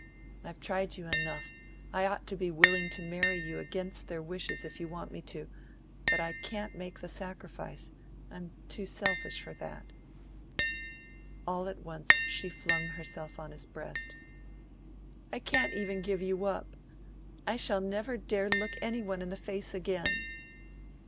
I've tried you enough. I ought to be willing to marry you against their wishes if you want me to, but I can't make the sacrifice I'm too selfish for that " All at once she flung herself on his breast. "I can't even give you up! I shall never dare look any one in the face again.